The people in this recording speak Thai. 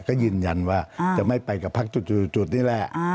ก็ยืนยันว่าจะไม่ไปกับพักจุดนี่แหละ